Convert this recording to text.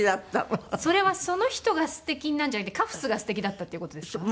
それはその人がすてきなんじゃなくてカフスがすてきだったっていう事ですか？